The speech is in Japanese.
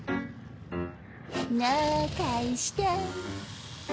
泣かした。